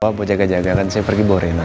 buat jaga jaga kan saya pergi borena